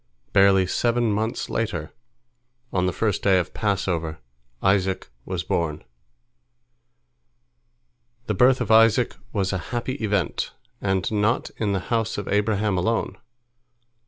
Barely seven months later, on the first day of the Passover, Isaac was born. The birth of Isaac was a happy event, and not in the house of Abraham alone.